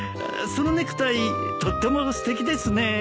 そのネクタイとってもすてきですね。